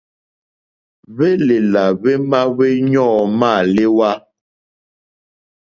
Hwélèlà hwémá hwéɲɔ́ǃɔ́ mâléwá.